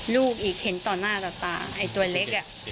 ลูกอีกเห็นต่อหน้าต่อตาไอ้ตัวเล็กอ่ะ